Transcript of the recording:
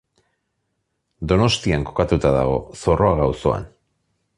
Donostian kokatuta dago, Zorroaga auzoan.